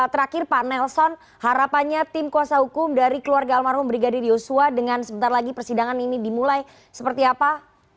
terakhir pak nelson harapannya tim kuasa hukum dari keluarga almarhum brigadir yosua dengan sebentar lagi persidangan ini dimulai seperti apa